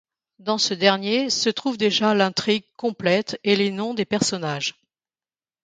Dans ce dernier se trouve déjà l'intrigue complète et les noms des personnages.